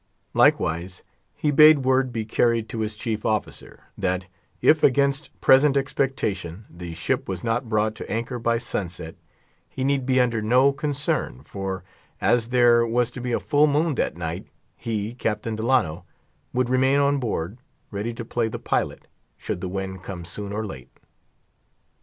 Likewise he bade word be carried to his chief officer, that if, against present expectation, the ship was not brought to anchor by sunset, he need be under no concern; for as there was to be a full moon that night, he (Captain Delano) would remain on board ready to play the pilot, come the wind soon or late.